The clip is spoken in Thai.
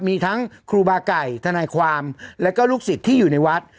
มีทั้งครูบาไก่ทนายความแล้วก็ลูกศิษย์ที่อยู่ในวัด